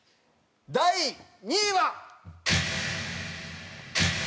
第２位は。